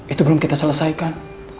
itu belum kita selesaikan